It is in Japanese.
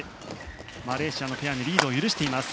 マレーシアのペアにリードを許しています。